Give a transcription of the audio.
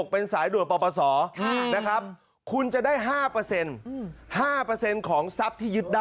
๑๓๘๖เป็นสายด่วนปปศนะครับ